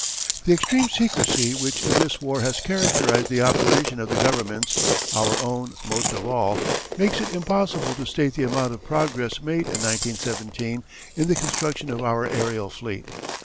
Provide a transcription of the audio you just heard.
The extreme secrecy which in this war has characterized the operation of the governments our own most of all makes it impossible to state the amount of progress made in 1917 in the construction of our aërial fleet.